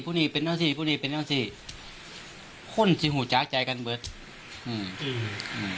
ผู้หนีเป็นอย่างสี่ผู้หนีเป็นอย่างสี่คนที่หูจักใจกันเบิดอืม